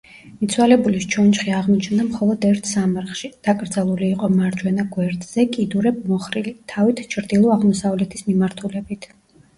მიცვალებულის ჩონჩხი აღმოჩნდა მხოლოდ ერთ სამარხში: დაკრძალული იყო მარჯვენა გვერდზე, კიდურებმოხრილი, თავით ჩრდილო-აღმოსავლეთის მიმართულებით.